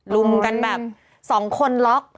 ลุมกันแบบสองคนล็อก